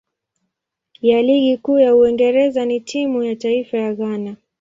ya Ligi Kuu ya Uingereza na timu ya taifa ya Ghana.